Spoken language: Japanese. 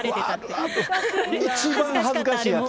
ある、一番恥ずかしいやつ。